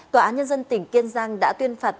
tòa án nhân dân tỉnh kiên giang đã tuyên phạt